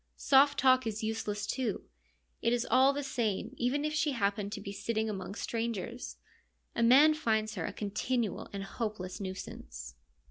Soft talk is useless, too ; it is all the same even if she happen to be sitting among strangers : a man finds her a continual and hope less nuisance.